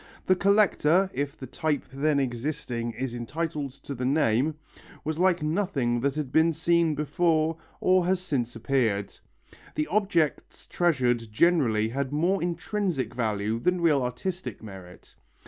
The collector, if the type then existing is entitled to the name, was like nothing that had been seen before or has since appeared. The objects treasured generally had more intrinsic value than real artistic merit.